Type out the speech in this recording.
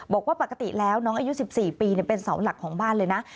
บอกว่าปกติแล้วน้องอายุ๑๔ปีเป็นเสาหลักของบ้านเลยนะ